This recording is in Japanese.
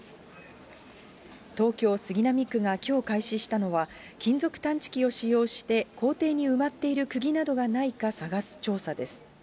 東京・杉並区がきょう開始したのは、金属探知機を使用して、校庭に埋まっているくぎなどがないか探す調査です。